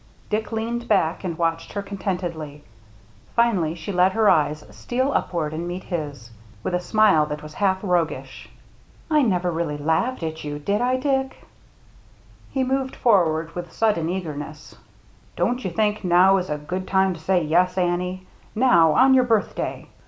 Dick leaned back and watched her contentedly. Finally she let her eyes steal upward and meet his, with a smile that was half roguish. " I never really laughed at you, did I, Dick ?" DICK AND HIS MERRT ANNE 39 He moved forward with sudden eagerness. " Don't you think now is a good time to say yes, Annie, — now, on your birthday